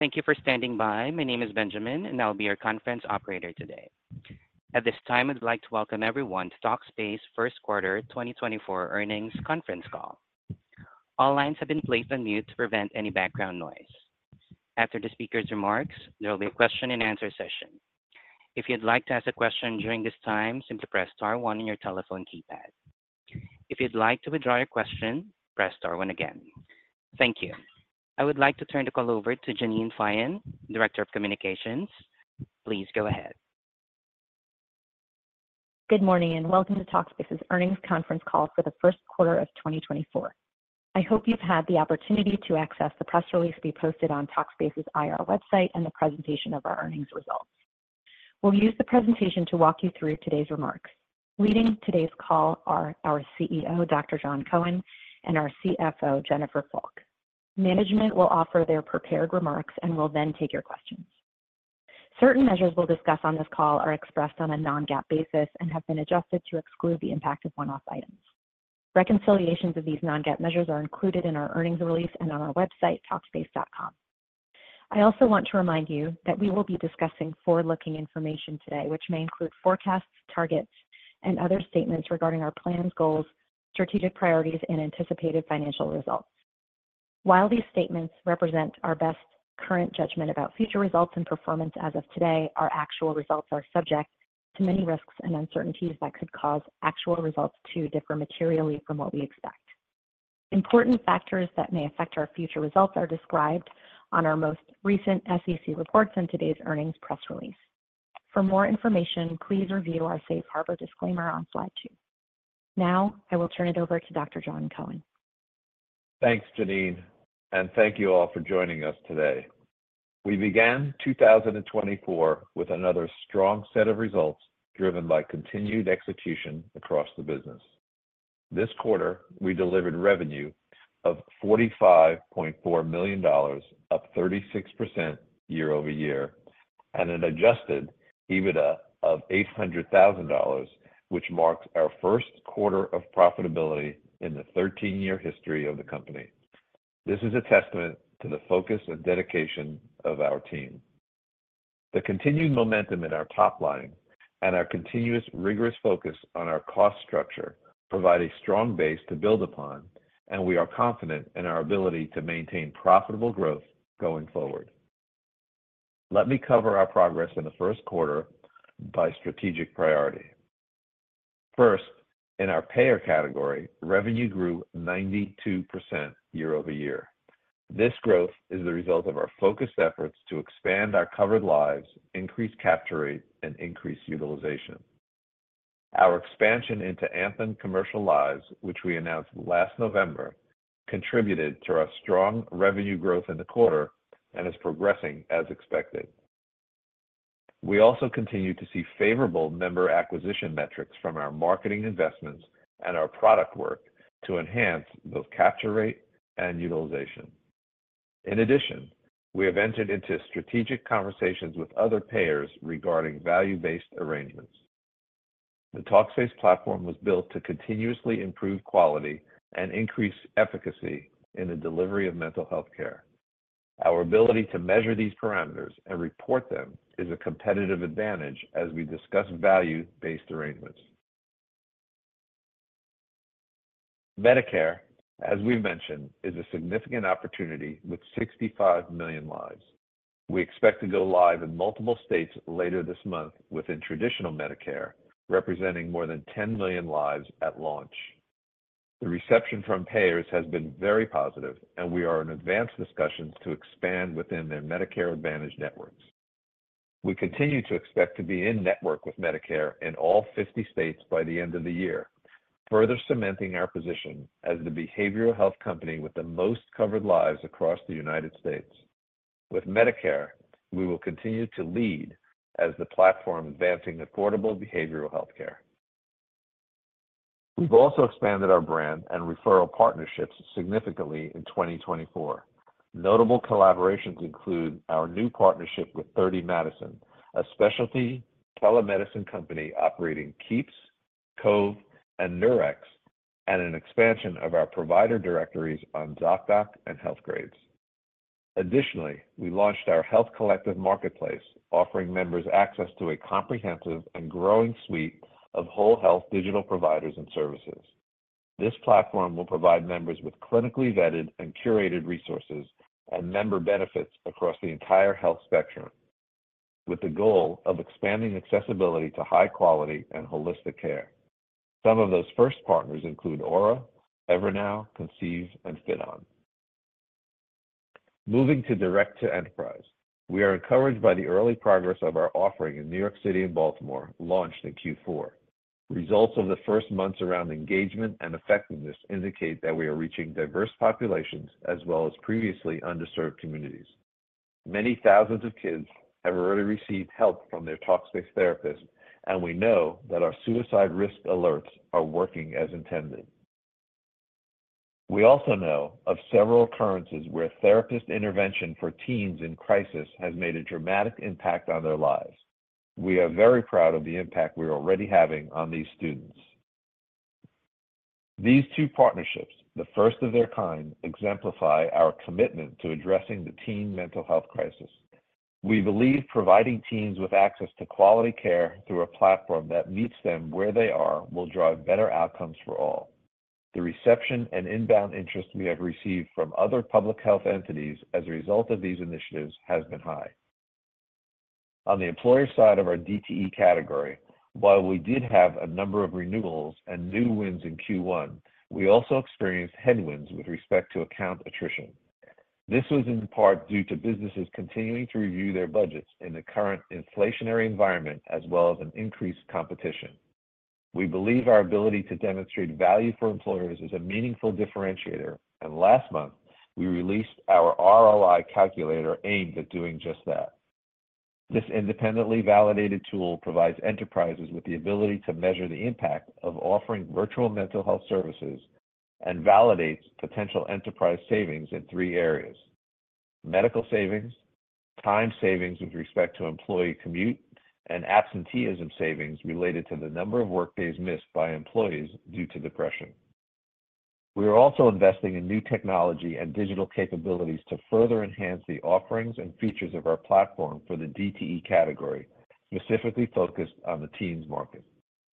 Thank you for standing by. My name is Benjamin, and I'll be your conference operator today. At this time, I'd like to welcome everyone to Talkspace First Quarter 2024 Earnings Conference Call. All lines have been placed on mute to prevent any background noise. After the speaker's remarks, there will be a question-and-answer session. If you'd like to ask a question during this time, simply press star 1 on your telephone keypad. If you'd like to withdraw your question, press star 1 again. Thank you. I would like to turn the call over to Jeannine Feyen, Director of Communications. Please go ahead. Good morning and welcome to Talkspace's Earnings Conference Call for the first quarter of 2024. I hope you've had the opportunity to access the press release to be posted on Talkspace's IR website and the presentation of our earnings results. We'll use the presentation to walk you through today's remarks. Leading today's call are our CEO, Dr. Jon Cohen, and our CFO, Jennifer Fulk. Management will offer their prepared remarks and will then take your questions. Certain measures we'll discuss on this call are expressed on a non-GAAP basis and have been adjusted to exclude the impact of one-off items. Reconciliations of these non-GAAP measures are included in our earnings release and on our website, talkspace.com. I also want to remind you that we will be discussing forward-looking information today, which may include forecasts, targets, and other statements regarding our plans, goals, strategic priorities, and anticipated financial results. While these statements represent our best current judgment about future results and performance as of today, our actual results are subject to many risks and uncertainties that could cause actual results to differ materially from what we expect. Important factors that may affect our future results are described on our most recent SEC reports and today's earnings press release. For more information, please review our Safe Harbor disclaimer on slide 2. Now, I will turn it over to Dr. Jon Cohen. Thanks, Jeannine, and thank you all for joining us today. We began 2024 with another strong set of results driven by continued execution across the business. This quarter, we delivered revenue of $45.4 million, up 36% year-over-year, and an Adjusted EBITDA of $800,000, which marks our first quarter of profitability in the 13-year history of the company. This is a testament to the focus and dedication of our team. The continued momentum in our top line and our continuous rigorous focus on our cost structure provide a strong base to build upon, and we are confident in our ability to maintain profitable growth going forward. Let me cover our progress in the first quarter by strategic priority. First, in our payer category, revenue grew 92% year-over-year. This growth is the result of our focused efforts to expand our covered lives, increase capture rate, and increase utilization. Our expansion into Anthem commercial lives, which we announced last November, contributed to our strong revenue growth in the quarter and is progressing as expected. We also continue to see favorable member acquisition metrics from our marketing investments and our product work to enhance both capture rate and utilization. In addition, we have entered into strategic conversations with other payers regarding value-based arrangements. The Talkspace platform was built to continuously improve quality and increase efficacy in the delivery of mental health care. Our ability to measure these parameters and report them is a competitive advantage as we discuss value-based arrangements. Medicare, as we've mentioned, is a significant opportunity with 65 million lives. We expect to go live in multiple states later this month within traditional Medicare, representing more than 10 million lives at launch. The reception from payers has been very positive, and we are in advanced discussions to expand within their Medicare Advantage networks. We continue to expect to be in network with Medicare in all 50 states by the end of the year, further cementing our position as the behavioral health company with the most covered lives across the United States. With Medicare, we will continue to lead as the platform advancing affordable behavioral health care. We've also expanded our brand and referral partnerships significantly in 2024. Notable collaborations include our new partnership with Thirty Madison, a specialty telemedicine company operating Keeps, Cove, and Nurx, and an expansion of our provider directories on Zocdoc and Healthgrades. Additionally, we launched our Health Collective marketplace, offering members access to a comprehensive and growing suite of whole health digital providers and services. This platform will provide members with clinically vetted and curated resources and member benefits across the entire health spectrum, with the goal of expanding accessibility to high-quality and holistic care. Some of those first partners include Oura, Evernow, Conceive, and FitOn. Moving to direct-to-enterprise, we are encouraged by the early progress of our offering in New York City and Baltimore, launched in Q4. Results of the first months around engagement and effectiveness indicate that we are reaching diverse populations as well as previously underserved communities. Many thousands of kids have already received help from their Talkspace therapists, and we know that our suicide risk alerts are working as intended. We also know of several occurrences where therapist intervention for teens in crisis has made a dramatic impact on their lives. We are very proud of the impact we're already having on these students. These two partnerships, the first of their kind, exemplify our commitment to addressing the teen mental health crisis. We believe providing teens with access to quality care through a platform that meets them where they are will drive better outcomes for all. The reception and inbound interest we have received from other public health entities as a result of these initiatives has been high. On the employer side of our DTE category, while we did have a number of renewals and new wins in Q1, we also experienced headwinds with respect to account attrition. This was in part due to businesses continuing to review their budgets in the current inflationary environment as well as an increased competition. We believe our ability to demonstrate value for employers is a meaningful differentiator, and last month, we released our ROI calculator aimed at doing just that. This independently validated tool provides enterprises with the ability to measure the impact of offering virtual mental health services and validates potential enterprise savings in three areas: medical savings, time savings with respect to employee commute, and absenteeism savings related to the number of workdays missed by employees due to depression. We are also investing in new technology and digital capabilities to further enhance the offerings and features of our platform for the DTE category, specifically focused on the teens market.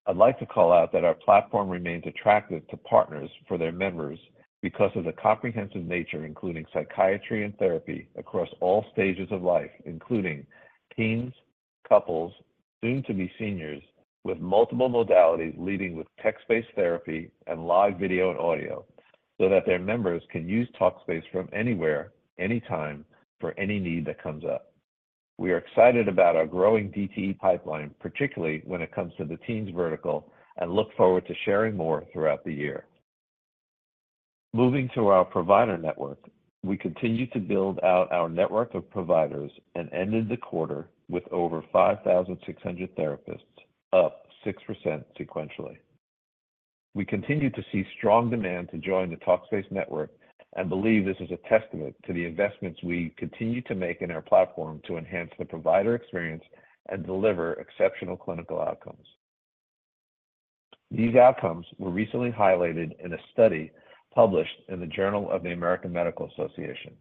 I'd like to call out that our platform remains attractive to partners for their members because of the comprehensive nature, including psychiatry and therapy across all stages of life, including teens, couples, soon-to-be seniors, with multiple modalities leading with text-based therapy and live video and audio so that their members can use Talkspace from anywhere, anytime, for any need that comes up. We are excited about our growing DTE pipeline, particularly when it comes to the teens vertical, and look forward to sharing more throughout the year. Moving to our provider network, we continue to build out our network of providers and ended the quarter with over 5,600 therapists, up 6% sequentially. We continue to see strong demand to join the Talkspace network and believe this is a testament to the investments we continue to make in our platform to enhance the provider experience and deliver exceptional clinical outcomes. These outcomes were recently highlighted in a study published in the Journal of the American Medical Association.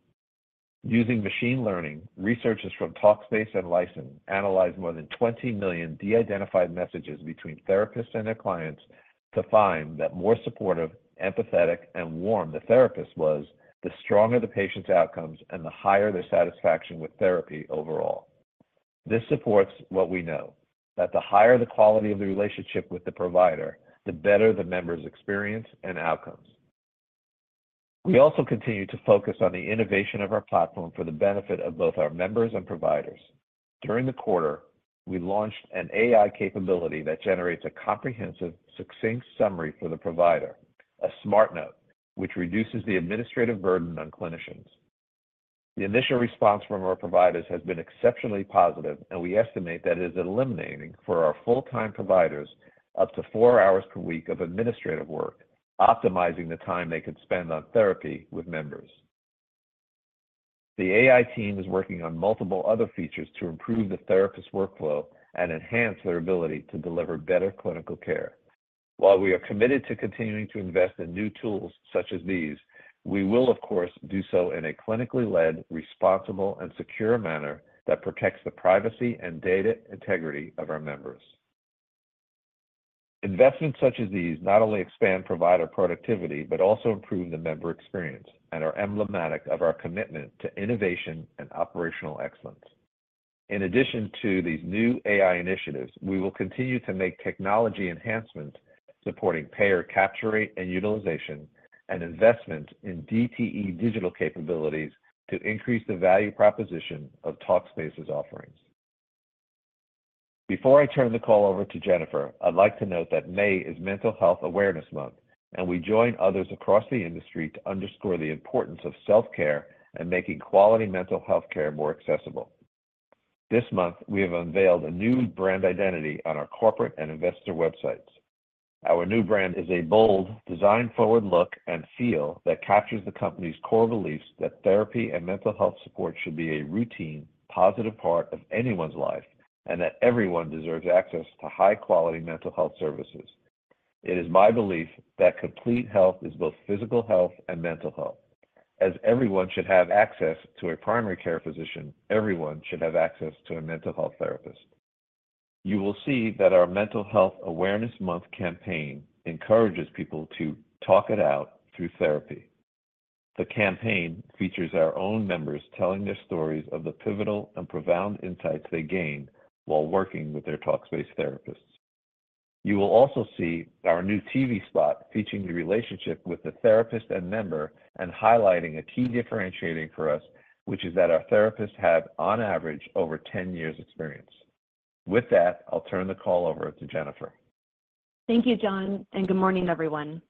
Using machine learning, researchers from Talkspace and Lyssn analyzed more than 20 million de-identified messages between therapists and their clients to find that the more supportive, empathetic, and warm the therapist was, the stronger the patient's outcomes and the higher their satisfaction with therapy overall. This supports what we know: that the higher the quality of the relationship with the provider, the better the members' experience and outcomes. We also continue to focus on the innovation of our platform for the benefit of both our members and providers. During the quarter, we launched an AI capability that generates a comprehensive, succinct summary for the provider, a Smart Note, which reduces the administrative burden on clinicians. The initial response from our providers has been exceptionally positive, and we estimate that it is eliminating for our full-time providers up to four hours per week of administrative work, optimizing the time they could spend on therapy with members. The AI team is working on multiple other features to improve the therapist workflow and enhance their ability to deliver better clinical care. While we are committed to continuing to invest in new tools such as these, we will, of course, do so in a clinically-led, responsible, and secure manner that protects the privacy and data integrity of our members. Investments such as these not only expand provider productivity but also improve the member experience and are emblematic of our commitment to innovation and operational excellence. In addition to these new AI initiatives, we will continue to make technology enhancements supporting payer capture rate and utilization and investments in DTE digital capabilities to increase the value proposition of Talkspace's offerings. Before I turn the call over to Jennifer, I'd like to note that May is Mental Health Awareness Month, and we join others across the industry to underscore the importance of self-care and making quality mental health care more accessible. This month, we have unveiled a new brand identity on our corporate and investor websites. Our new brand is a bold, design-forward look and feel that captures the company's core beliefs that therapy and mental health support should be a routine, positive part of anyone's life and that everyone deserves access to high-quality mental health services. It is my belief that complete health is both physical health and mental health. As everyone should have access to a primary care physician, everyone should have access to a mental health therapist. You will see that our Mental Health Awareness Month campaign encourages people to talk it out through therapy. The campaign features our own members telling their stories of the pivotal and profound insights they gain while working with their Talkspace therapists. You will also see our new TV spot featuring the relationship with the therapist and member and highlighting a key differentiating for us, which is that our therapists have, on average, over 10 years' experience. With that, I'll turn the call over to Jennifer. Thank you, Jon, and good morning, everyone.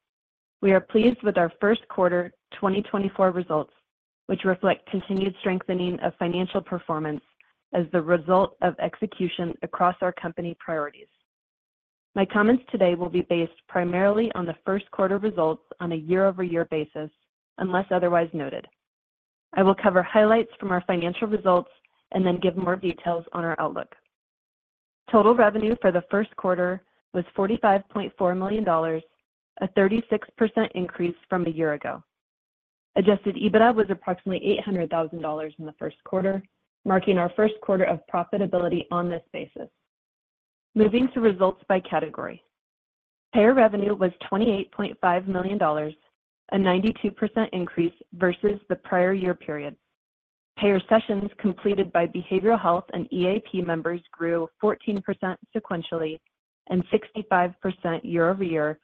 We are pleased with our first quarter 2024 results, which reflect continued strengthening of financial performance as the result of execution across our company priorities. My comments today will be based primarily on the first quarter results on a year-over-year basis, unless otherwise noted. I will cover highlights from our financial results and then give more details on our outlook. Total revenue for the first quarter was $45.4 million, a 36% increase from a year ago. Adjusted EBITDA was approximately $800,000 in the first quarter, marking our first quarter of profitability on this basis. Moving to results by category, payer revenue was $28.5 million, a 92% increase versus the prior year period. Payer sessions completed by behavioral health and EAP members grew 14% sequentially and 65% year-over-year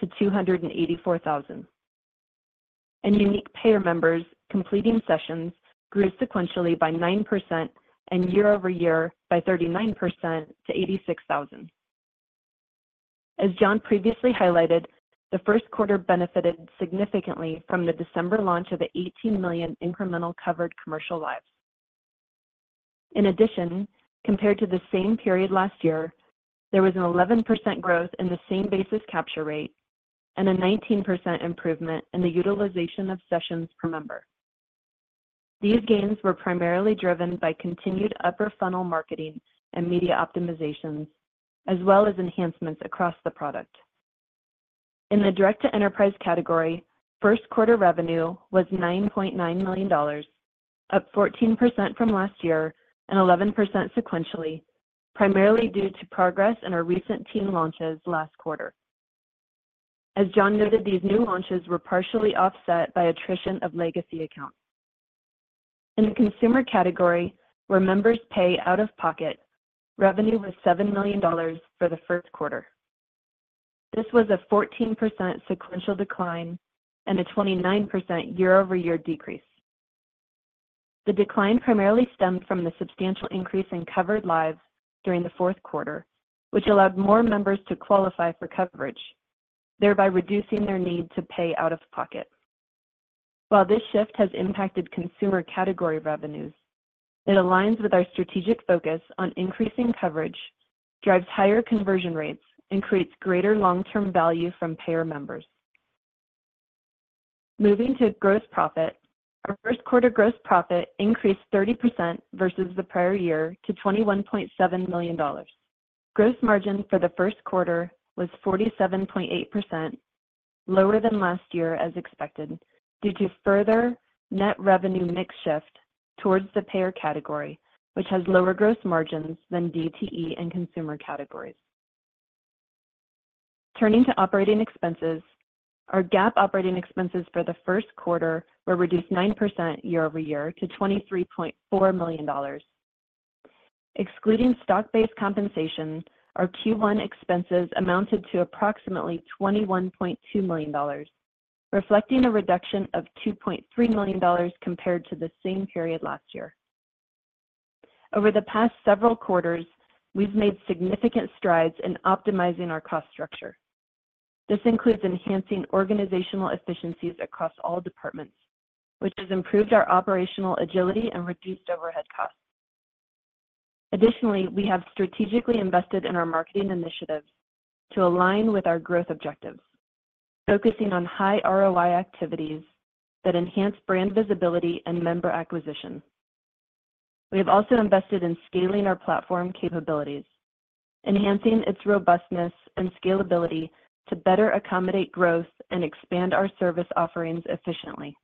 to 284,000. Unique payer members completing sessions grew sequentially by 9% and year-over-year by 39% to 86,000. As Jon previously highlighted, the first quarter benefited significantly from the December launch of the 18 million incremental covered commercial lives. In addition, compared to the same period last year, there was an 11% growth in the same basis capture rate and a 19% improvement in the utilization of sessions per member. These gains were primarily driven by continued upper funnel marketing and media optimizations, as well as enhancements across the product. In the direct-to-enterprise category, first quarter revenue was $9.9 million, up 14% from last year and 11% sequentially, primarily due to progress in our recent teen launches last quarter. As Jon noted, these new launches were partially offset by attrition of legacy accounts. In the consumer category, where members pay out of pocket, revenue was $7 million for the first quarter. This was a 14% sequential decline and a 29% year-over-year decrease. The decline primarily stemmed from the substantial increase in covered lives during the fourth quarter, which allowed more members to qualify for coverage, thereby reducing their need to pay out of pocket. While this shift has impacted consumer category revenues, it aligns with our strategic focus on increasing coverage, drives higher conversion rates, and creates greater long-term value from payer members. Moving to gross profit, our first quarter gross profit increased 30% versus the prior year to $21.7 million. Gross margin for the first quarter was 47.8%, lower than last year as expected due to further net revenue mix shift towards the payer category, which has lower gross margins than DTE and consumer categories. Turning to operating expenses, our GAAP operating expenses for the first quarter were reduced 9% year-over-year to $23.4 million. Excluding stock-based compensation, our Q1 expenses amounted to approximately $21.2 million, reflecting a reduction of $2.3 million compared to the same period last year. Over the past several quarters, we've made significant strides in optimizing our cost structure. This includes enhancing organizational efficiencies across all departments, which has improved our operational agility and reduced overhead costs. Additionally, we have strategically invested in our marketing initiatives to align with our growth objectives, focusing on high ROI activities that enhance brand visibility and member acquisition. We have also invested in scaling our platform capabilities, enhancing its robustness and scalability to better accommodate growth and expand our service offerings efficiently.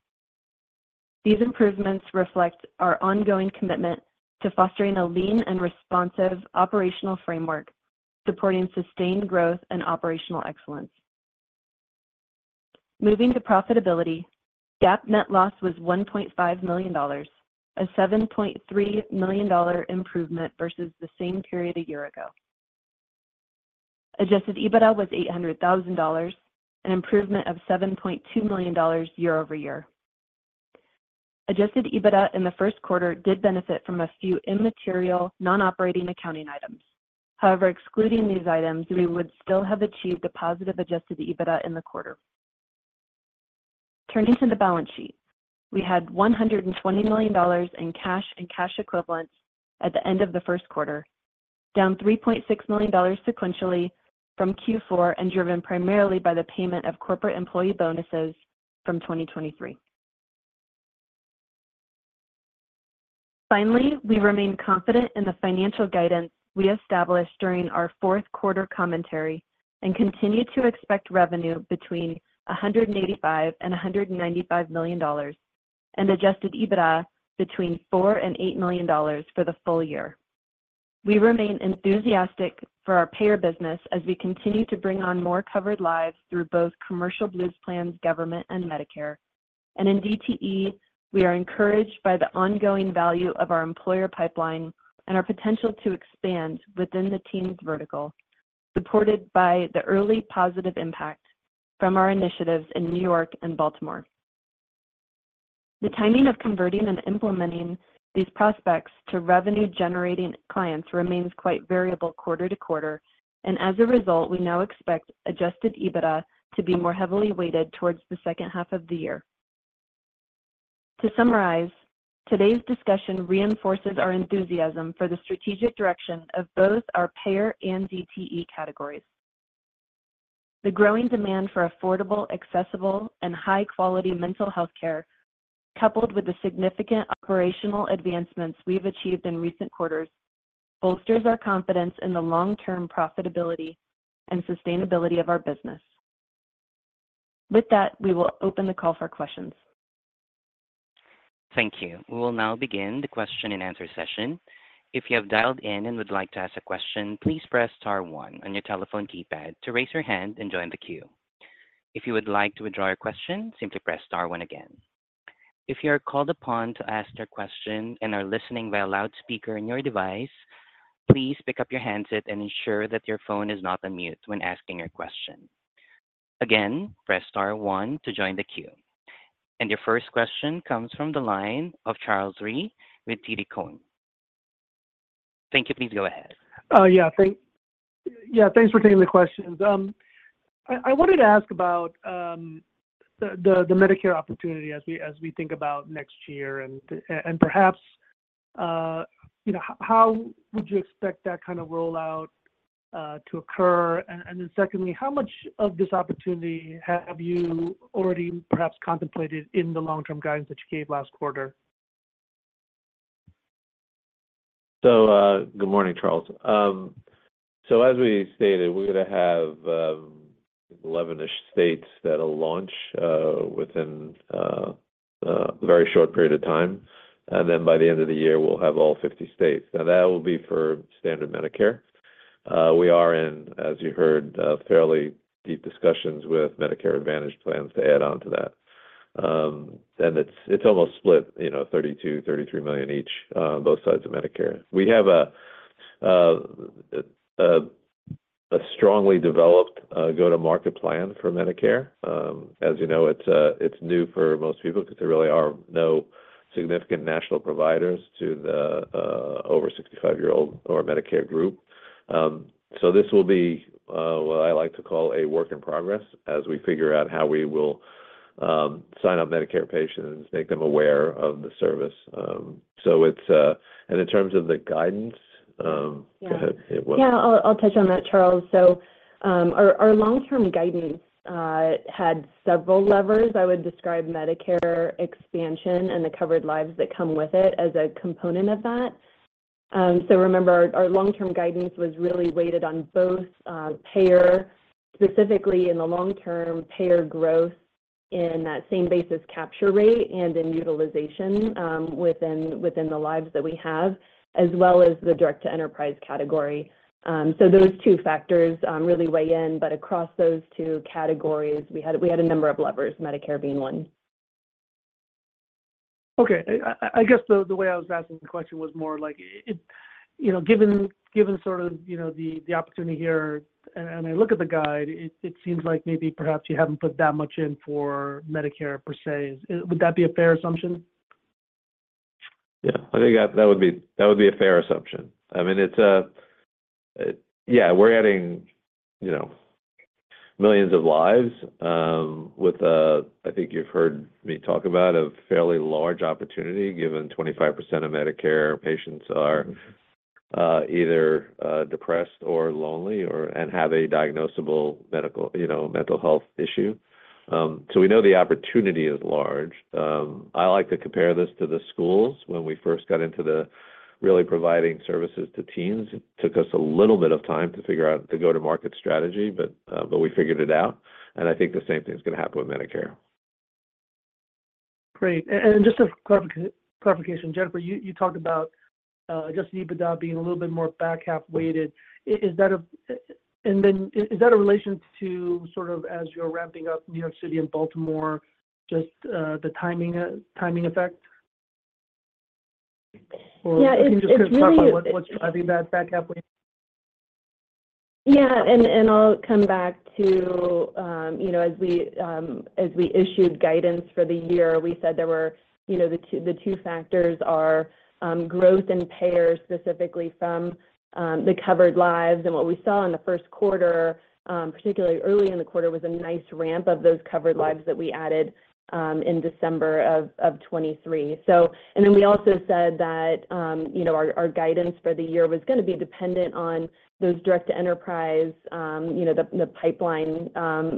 These improvements reflect our ongoing commitment to fostering a lean and responsive operational framework supporting sustained growth and operational excellence. Moving to profitability, GAAP net loss was $1.5 million, a $7.3 million improvement versus the same period a year ago. Adjusted EBITDA was $800,000, an improvement of $7.2 million year-over-year. Adjusted EBITDA in the first quarter did benefit from a few immaterial non-operating accounting items. However, excluding these items, we would still have achieved a positive adjusted EBITDA in the quarter. Turning to the balance sheet, we had $120 million in cash and cash equivalents at the end of the first quarter, down $3.6 million sequentially from Q4 and driven primarily by the payment of corporate employee bonuses from 2023. Finally, we remain confident in the financial guidance we established during our fourth quarter commentary and continue to expect revenue between $185 million-$195 million and adjusted EBITDA between $4 million-$8 million for the full year. We remain enthusiastic for our payer business as we continue to bring on more covered lives through both commercial Blues plans, government, and Medicare. In DTE, we are encouraged by the ongoing value of our employer pipeline and our potential to expand within the teens vertical, supported by the early positive impact from our initiatives in New York and Baltimore. The timing of converting and implementing these prospects to revenue-generating clients remains quite variable quarter to quarter, and as a result, we now expect Adjusted EBITDA to be more heavily weighted towards the second half of the year. To summarize, today's discussion reinforces our enthusiasm for the strategic direction of both our payer and DTE categories. The growing demand for affordable, accessible, and high-quality mental health care, coupled with the significant operational advancements we've achieved in recent quarters, bolsters our confidence in the long-term profitability and sustainability of our business. With that, we will open the call for questions. Thank you. We will now begin the question-and-answer session. If you have dialed in and would like to ask a question, please press star 1 on your telephone keypad to raise your hand and join the queue. If you would like to withdraw your question, simply press star 1 again. If you are called upon to ask your question and are listening via loudspeaker on your device, please pick up your handset and ensure that your phone is not unmuted when asking your question. Again, press star 1 to join the queue. And your first question comes from the line of Charles Rhee with TD Cowen. Thank you. Please go ahead. Yeah. Yeah. Thanks for taking the questions. I wanted to ask about the Medicare opportunity as we think about next year and perhaps how would you expect that kind of rollout to occur? And then secondly, how much of this opportunity have you already perhaps contemplated in the long-term guidance that you gave last quarter? So good morning, Charles. So as we stated, we're going to have 11-ish states that will launch within a very short period of time. And then by the end of the year, we'll have all 50 states. Now, that will be for standard Medicare. We are in, as you heard, fairly deep discussions with Medicare Advantage plans to add on to that. And it's almost split, 32 million, 33 million each, both sides of Medicare. We have a strongly developed go-to-market plan for Medicare. As you know, it's new for most people because there really are no significant national providers to the over-65-year-old or Medicare group. So this will be what I like to call a work in progress as we figure out how we will sign up Medicare patients, make them aware of the service. And in terms of the guidance go ahead. Yeah. I'll touch on that, Charles. So our long-term guidance had several levers. I would describe Medicare expansion and the covered lives that come with it as a component of that. So remember, our long-term guidance was really weighted on both payer, specifically in the long-term payer growth in that same basis capture rate and in utilization within the lives that we have, as well as the direct-to-enterprise category. So those two factors really weigh in. But across those two categories, we had a number of levers, Medicare being one. Okay. I guess the way I was asking the question was more like, given sort of the opportunity here and I look at the guide, it seems like maybe perhaps you haven't put that much in for Medicare per se. Would that be a fair assumption? Yeah. I think that would be a fair assumption. I mean, yeah, we're adding millions of lives with, I think you've heard me talk about, a fairly large opportunity given 25% of Medicare patients are either depressed or lonely and have a diagnosable mental health issue. So we know the opportunity is large. I like to compare this to the schools when we first got into the really providing services to teens. It took us a little bit of time to figure out the go-to-market strategy, but we figured it out. And I think the same thing's going to happen with Medicare. Great. And just a clarification, Jennifer, you talked about Adjusted EBITDA being a little bit more back half weighted. And then is that a relation to sort of as you're ramping up New York City and Baltimore, just the timing effect? Or can you just clarify what's driving that back half weight? Yeah. And I'll come back to as we issued guidance for the year, we said there were the two factors are growth and payer specifically from the covered lives. And what we saw in the first quarter, particularly early in the quarter, was a nice ramp of those covered lives that we added in December of 2023. And then we also said that our guidance for the year was going to be dependent on those direct-to-enterprise, the pipeline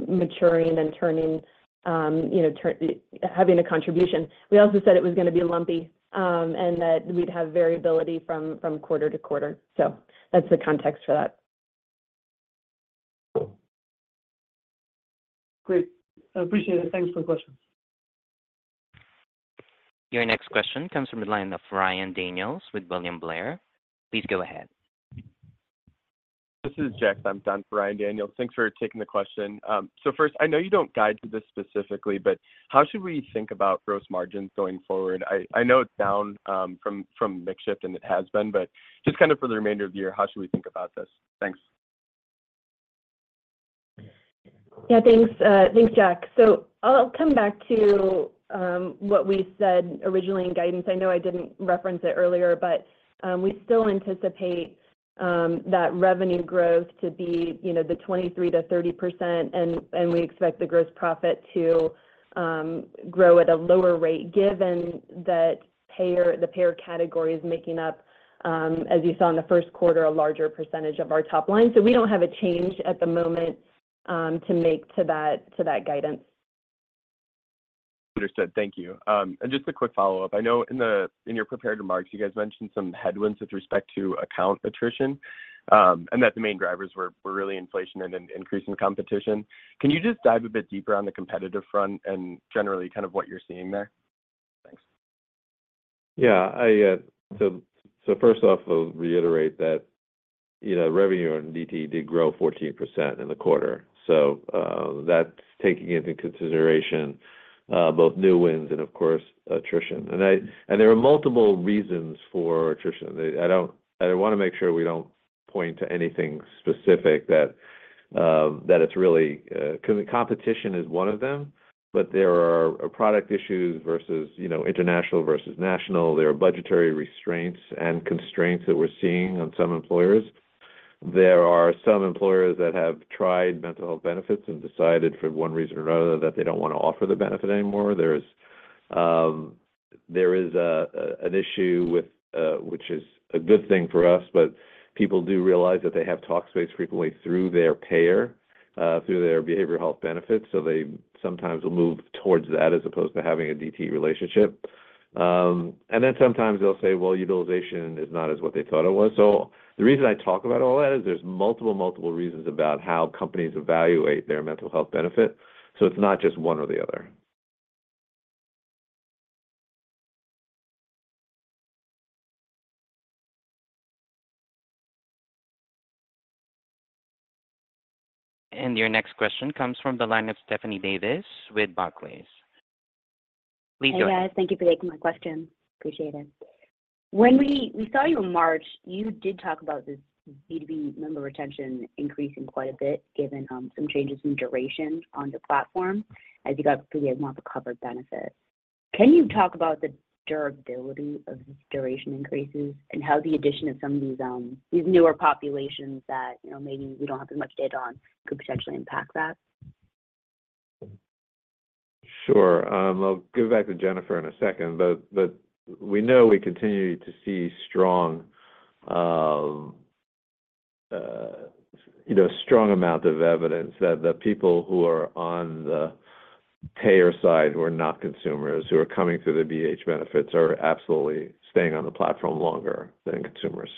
maturing and turning, having a contribution. We also said it was going to be lumpy and that we'd have variability from quarter to quarter. So that's the context for that. Great. I appreciate it. Thanks for the questions. Your next question comes from the line of Ryan Daniels with William Blair. Please go ahead. This is Jack. I'm in for Ryan Daniels. Thanks for taking the question. So first, I know you don't guide to this specifically, but how should we think about gross margins going forward? I know it's down from mix shift, and it has been, but just kind of for the remainder of the year, how should we think about this? Thanks. Yeah. Thanks, Jack. So I'll come back to what we said originally in guidance. I know I didn't reference it earlier, but we still anticipate that revenue growth to be the 23%-30%. And we expect the gross profit to grow at a lower rate given that the payer category is making up, as you saw in the first quarter, a larger percentage of our top line. So we don't have a change at the moment to make to that guidance. Understood. Thank you. Just a quick follow-up. I know in your prepared remarks, you guys mentioned some headwinds with respect to account attrition and that the main drivers were really inflation and increasing competition. Can you just dive a bit deeper on the competitive front and generally kind of what you're seeing there? Thanks. Yeah. So first off, I'll reiterate that revenue in DTE did grow 14% in the quarter. So that's taking into consideration both new wins and, of course, attrition. And there are multiple reasons for attrition. I want to make sure we don't point to anything specific that it's really competition is one of them, but there are product issues versus international versus national. There are budgetary restraints and constraints that we're seeing on some employers. There are some employers that have tried mental health benefits and decided for one reason or another that they don't want to offer the benefit anymore. There is an issue which is a good thing for us, but people do realize that they have Talkspace frequently through their payer, through their behavioral health benefits. So they sometimes will move towards that as opposed to having a DTE relationship. Then sometimes they'll say, "Well, utilization is not as what they thought it was." The reason I talk about all that is there's multiple, multiple reasons about how companies evaluate their mental health benefit. It's not just one or the other. Your next question comes from the line of Stephanie Davis with Barclays. Please go ahead. Yeah. Thank you for taking my question. Appreciate it. We saw you in March. You did talk about this B2B member retention increasing quite a bit given some changes in duration on your platform as you got through the amount of covered benefits. Can you talk about the durability of these duration increases and how the addition of some of these newer populations that maybe we don't have as much data on could potentially impact that? Sure. I'll give it back to Jennifer in a second. But we know we continue to see a strong amount of evidence that the people who are on the payer side, who are not consumers, who are coming through the BH benefits, are absolutely staying on the platform longer than consumers.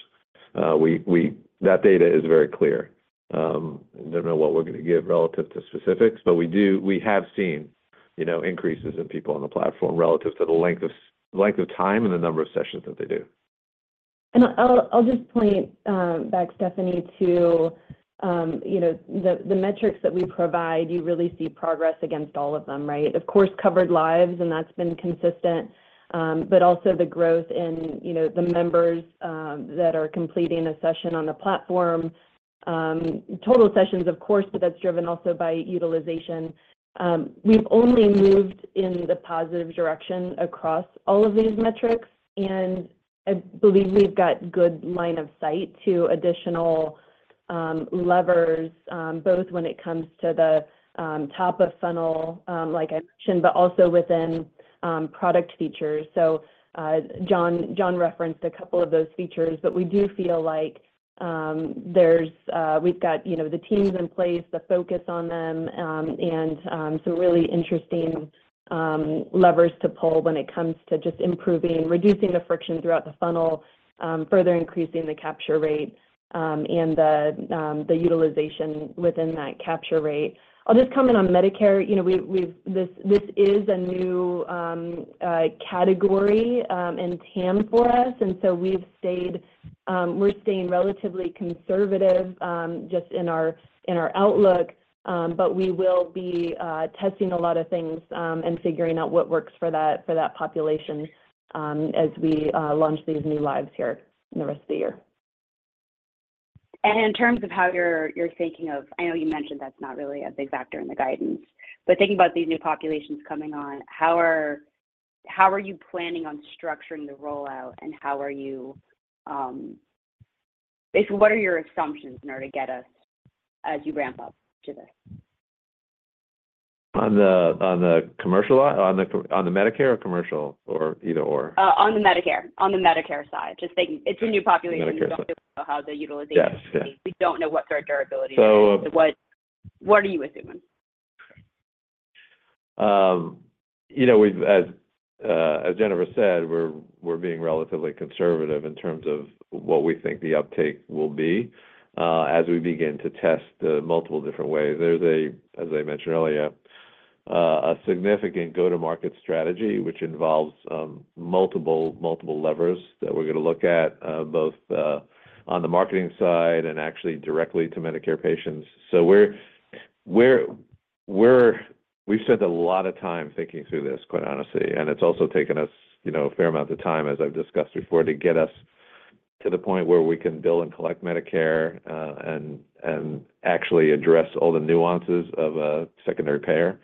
That data is very clear. I don't know what we're going to give relative to specifics, but we have seen increases in people on the platform relative to the length of time and the number of sessions that they do. I'll just point back, Stephanie, to the metrics that we provide. You really see progress against all of them, right? Of course, covered lives, and that's been consistent. But also the growth in the members that are completing a session on the platform, total sessions, of course, but that's driven also by utilization. We've only moved in the positive direction across all of these metrics. I believe we've got good line of sight to additional levers, both when it comes to the top of funnel, like I mentioned, but also within product features. Jon referenced a couple of those features, but we do feel like we've got the teams in place, the focus on them, and some really interesting levers to pull when it comes to just improving, reducing the friction throughout the funnel, further increasing the capture rate, and the utilization within that capture rate. I'll just comment on Medicare. This is a new category and TAM for us. And so we're staying relatively conservative just in our outlook. But we will be testing a lot of things and figuring out what works for that population as we launch these new lives here in the rest of the year. In terms of how you're thinking of, I know you mentioned that's not really a big factor in the guidance. Thinking about these new populations coming on, how are you planning on structuring the rollout, and basically, what are your assumptions in order to get us as you ramp up to this? On the commercial lot? On the Medicare or commercial or either/or? On the Medicare side. It's a new population. We don't know how the utilization will be. We don't know what their durability will be. So what are you assuming? As Jennifer said, we're being relatively conservative in terms of what we think the uptake will be as we begin to test the multiple different ways. There's a, as I mentioned earlier, a significant go-to-market strategy which involves multiple levers that we're going to look at both on the marketing side and actually directly to Medicare patients. So we've spent a lot of time thinking through this, quite honestly. And it's also taken us a fair amount of time, as I've discussed before, to get us to the point where we can bill and collect Medicare and actually address all the nuances of a secondary payer.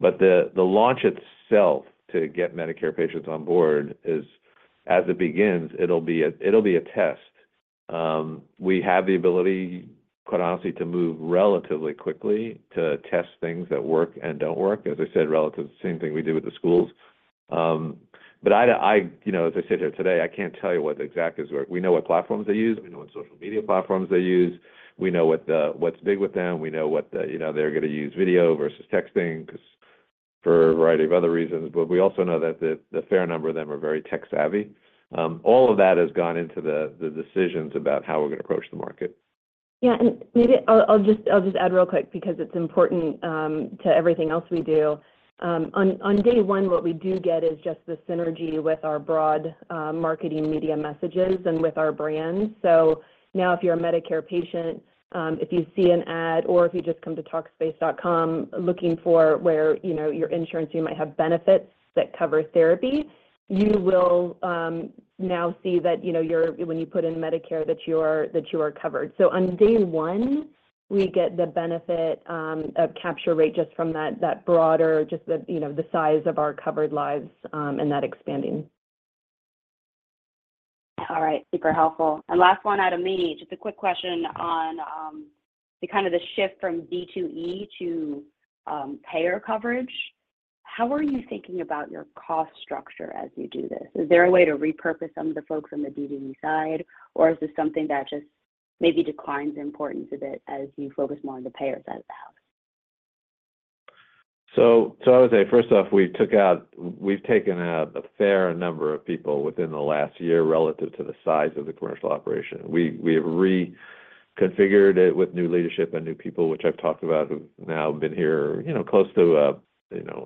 But the launch itself to get Medicare patients on board is, as it begins, it'll be a test. We have the ability, quite honestly, to move relatively quickly to test things that work and don't work. As I said, relative to the same thing we do with the schools. But as I sit here today, I can't tell you what exactly is working. We know what platforms they use. We know what social media platforms they use. We know what's big with them. We know what they're going to use video versus texting because for a variety of other reasons. But we also know that a fair number of them are very tech-savvy. All of that has gone into the decisions about how we're going to approach the market. Yeah. And maybe I'll just add real quick because it's important to everything else we do. On day one, what we do get is just the synergy with our broad marketing media messages and with our brands. So now if you're a Medicare patient, if you see an ad or if you just come to Talkspace.com looking for where your insurance, you might have benefits that cover therapy, you will now see that when you put in Medicare, that you are covered. So on day one, we get the benefit of capture rate just from that broader, just the size of our covered lives and that expanding. All right. Super helpful. And last one out of me, just a quick question on kind of the shift from DTE to payer coverage. How are you thinking about your cost structure as you do this? Is there a way to repurpose some of the folks on the DTE side, or is this something that just maybe declines importance a bit as you focus more on the payer side of the house? So I would say, first off, we've taken a fair number of people within the last year relative to the size of the commercial operation. We have reconfigured it with new leadership and new people, which I've talked about, who've now been here close to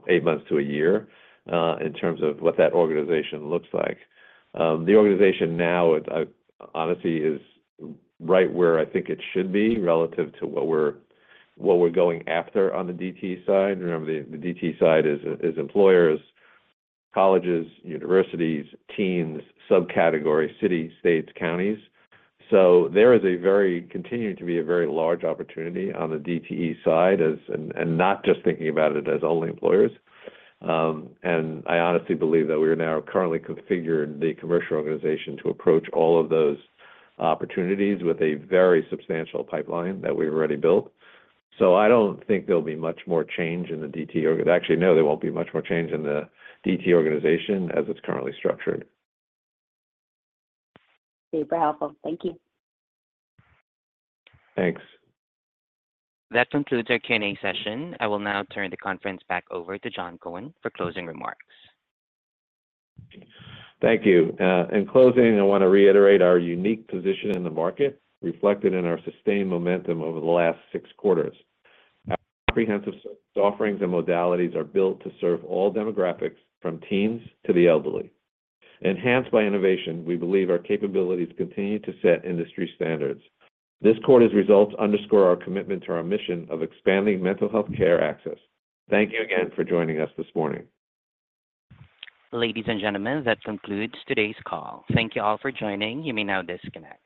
8 months to a year in terms of what that organization looks like. The organization now, honestly, is right where I think it should be relative to what we're going after on the DTE side. Remember, the DTE side is employers, colleges, universities, teams, subcategories, cities, states, counties. So there is continuing to be a very large opportunity on the DTE side and not just thinking about it as only employers. And I honestly believe that we are now currently configured the commercial organization to approach all of those opportunities with a very substantial pipeline that we've already built. I don't think there'll be much more change in the DTE. Actually, no, there won't be much more change in the DTE organization as it's currently structured. Super helpful. Thank you. Thanks. That concludes our Q&A session. I will now turn the conference back over to Jon Cohen for closing remarks. Thank you. In closing, I want to reiterate our unique position in the market reflected in our sustained momentum over the last six quarters. Our comprehensive service offerings and modalities are built to serve all demographics, from teens to the elderly. Enhanced by innovation, we believe our capabilities continue to set industry standards. This quarter's results underscore our commitment to our mission of expanding mental healthcare access. Thank you again for joining us this morning. Ladies and gentlemen, that concludes today's call. Thank you all for joining. You may now disconnect.